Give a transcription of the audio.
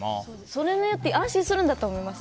それによって安心するんだと思います。